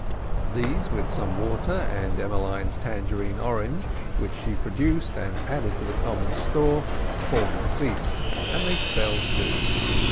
These, with some water and Emmeline's Tangerine orange, which she produced and added to the common store, formed the feast, and they fell to.